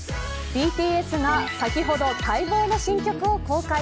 ＢＴＳが先ほど待望の新曲を公開。